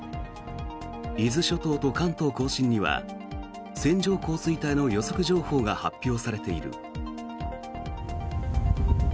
伊豆諸島と関東・甲信には線状降水帯の予測情報が発表されている。